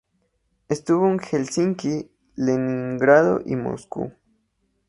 Estuvo en Helsinki, Leningrado y Moscú.